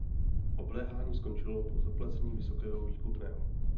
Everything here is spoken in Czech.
Obléhání skončilo po zaplacení vysokého výkupného.